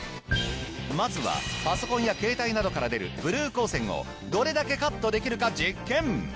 まずはパソコンや携帯などから出るブルー光線をどれだけカットできるか実験！